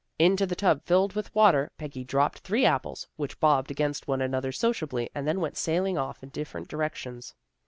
Into the tub filled with water Peggy dropped three apples, which bobbed against one another sociably and then went sailing off in different directions.